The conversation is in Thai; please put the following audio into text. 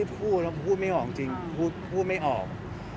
พูดแล้วพูดไม่ออกจริงพูดไม่ออก